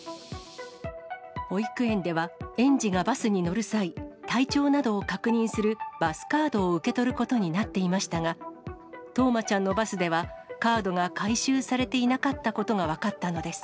保育園では園児がバスに乗る際、体調などを確認するバスカードを受け取ることになっていましたが、冬生ちゃんのバスではカードが回収されていなかったことが分かったのです。